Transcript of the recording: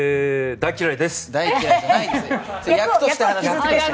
大嫌いじゃないでしょ。